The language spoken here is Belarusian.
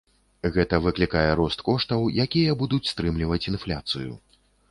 Гэта выклікае рост коштаў, якія будуць стымуляваць інфляцыю.